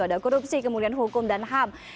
ada korupsi kemudian hukum dan ham